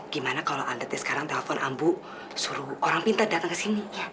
gimana kalau alda t sekarang telepon ambu suruh orang pintar datang ke sini ya